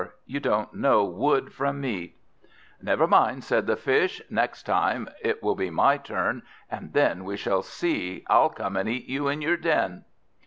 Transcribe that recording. You don't know wood from meat!" "Never mind," said the Fish, "next time it will be my turn, and then we shall see. I'll come and eat you in your den."